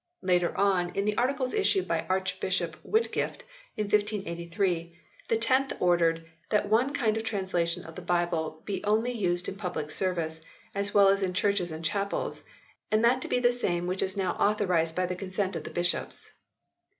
Later on, in the Articles issued by Archbishop Whit gift in 1583, the 10th ordered "that one kind of translation of the Bible be only used in public service, as well in churches as chapels, and that to be the same which is now authorized by the consent of the bishops.